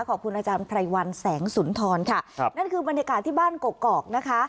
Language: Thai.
ขอบคุณอาจารย์ไพรวัลแสงสุนทรค่ะครับนั่นคือบรรยากาศที่บ้านกกอกนะคะ